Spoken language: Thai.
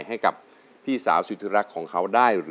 โทษใจโทษใจโทษใจโทษใจโทษใจโทษใจโทษใจโทษใจโทษใจ